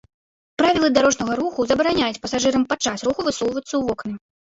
Правілы дарожнага руху забараняюць пасажырам падчас руху высоўвацца ў вокны.